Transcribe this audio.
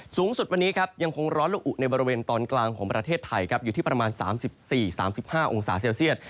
สูงสุดวันนี้ครับยังคงร้อนละอุในบริเวณตอนกลางของประเทศไทยครับอยู่ที่ประมาณ๓๔๓๕องศาเซลเซียต